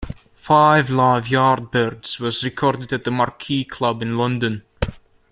"Five Live Yardbirds" was recorded at the Marquee Club in London.